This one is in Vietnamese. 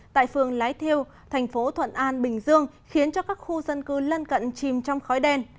tại phường lái thiêu thành phố thuận an bình dương khiến cho các khu dân cư lân cận chìm trong khói đen